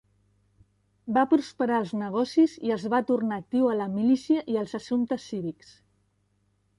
Va prosperar als negocis i es va tornar actiu a la milícia i als assumptes cívics.